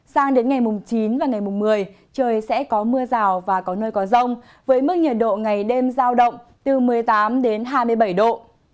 sang đến ngày mùng chín và ngày mùng một mươi trời sẽ có mưa rào và có nơi có rông với mức nhiệt độ ngày đêm giao động từ một mươi tám đến hai mươi bảy độ